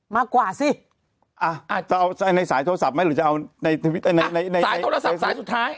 มากกว่าสิอ่ะอาจจะเอาในสายโทรศัพท์ไหมหรือจะเอาในทวิตในในสายโทรศัพท์สายสุดท้าย